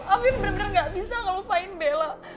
afif bener bener gak bisa ngelupain bella